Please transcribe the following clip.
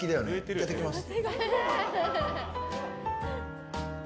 いただきます。